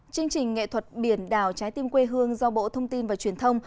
chương trình nghệ thuật biển đảo trái tim quê hương do bộ thông tin và truyền thông